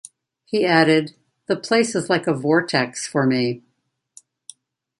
He added: "The place is like a vortex for me".